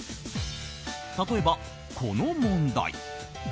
例えばこの問題。